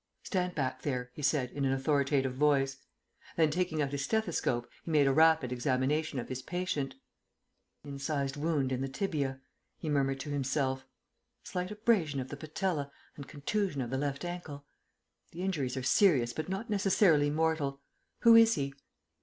"Stand back there," he said in an authoritative voice. Then, taking out his stethoscope, he made a rapid examination of his patient. "Incised wound in the tibia," he murmured to himself. "Slight abrasion of the patella and contusion of the left ankle. The injuries are serious but not necessarily mortal. Who is he?"